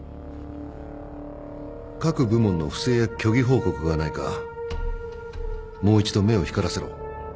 各部門の不正や虚偽報告がないかもう一度目を光らせろ。